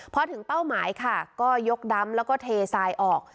พอถึงเป้าหมายค่ะก็ยกดำแล้วก็เททรายออก